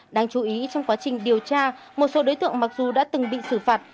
đáng chú ý trong quá trình điều tra một số đối tượng mặc dù đã từng bị xử phạt